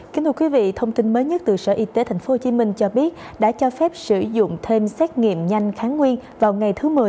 kính thưa quý vị thông tin mới nhất từ sở y tế tp hcm cho biết đã cho phép sử dụng thêm xét nghiệm nhanh kháng nguyên vào ngày thứ một mươi